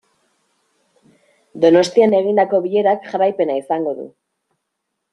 Donostian egindako bilerak jarraipena izango du.